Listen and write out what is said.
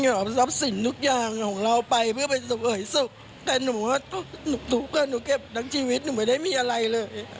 เอาทรัพย์สินทุกอย่างของเราไปเพื่อไปเผยสุขแต่หนูว่าหนูทุกข์กับหนูเก็บทั้งชีวิตหนูไม่ได้มีอะไรเลย